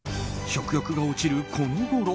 食欲が落ちるこのごろ。